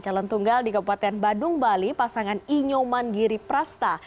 calon tunggal di kabupaten badung bali pasangan inyoman giri prasta